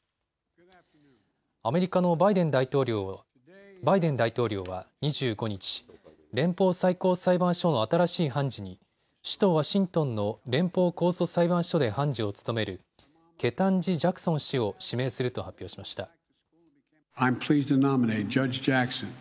アメリカのバイデン大統領は２５日、連邦最高裁判所の新しい判事に首都ワシントンの連邦控訴裁判所で判事を務めるケタンジ・ジャクソン氏を指名すると発表しました。